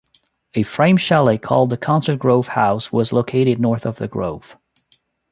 A frame chalet called the Concert Grove House was located north of the grove.